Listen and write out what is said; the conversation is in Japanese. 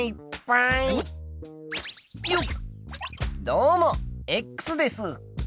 どうもです。